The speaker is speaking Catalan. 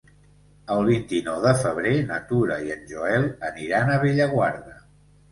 El vint-i-nou de febrer na Tura i en Joel aniran a Bellaguarda.